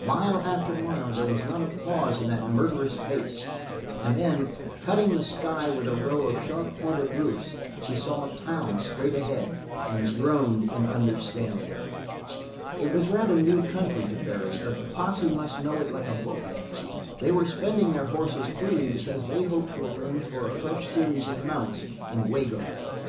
Mile after mile there was not a pause in that murderous pace, and then, cutting the sky with a row of sharply pointed roofs, he saw a town straight ahead and groaned in understanding. It was rather new country to Barry, but the posse must know it like a book. They were spending their horses freely because they hoped to arrange for a fresh series of mounts in Wago.